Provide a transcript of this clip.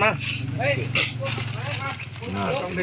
เรียกสองคนมาเดี๋ยวสองคนมา